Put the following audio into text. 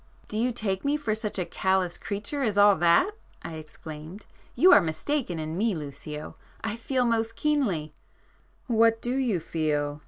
"Do you take me for such a callous creature as all that?" I exclaimed—"You are mistaken in me, Lucio. I feel most keenly——" "What do you feel?"